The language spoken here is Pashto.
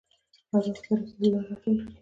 اهدافو ته د رسیدو لارې لټول کیږي.